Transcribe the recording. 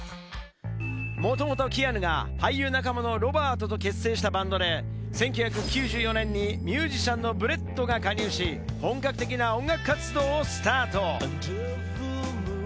もともとキアヌが俳優仲間のロバートと結成したバンドで、１９９４年にミュージシャンのブレットが加入し、本格的な音楽活動を開始。